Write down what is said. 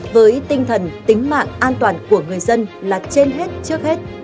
với tinh thần tính mạng an toàn của người dân là trên hết trước hết